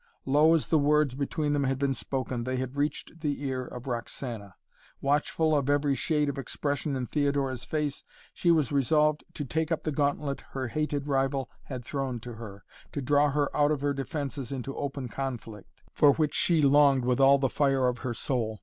Low as the words between them had been spoken, they had reached the ear of Roxana. Watchful of every shade of expression in Theodora's face, she was resolved to take up the gauntlet her hated rival had thrown to her, to draw her out of her defences into open conflict, for which she longed with all the fire of her soul.